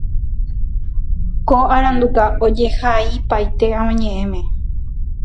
Ko aranduka ojehaipaite avañeʼẽme.